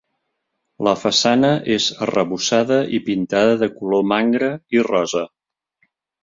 La façana és arrebossada i pintada de color mangra i rosa.